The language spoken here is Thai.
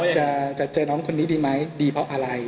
จะเจอน้องคนนี้ดีไหมดีเพราะอะไร